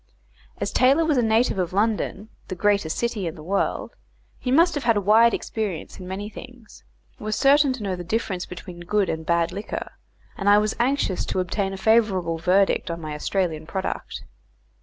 As Taylor was a native of London, the greatest city in the world, he must have had a wide experience in many things, was certain to know the difference between good and bad liquor, and I was anxious to obtain a favourable verdict on my Australian product.